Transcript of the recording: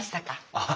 ああ。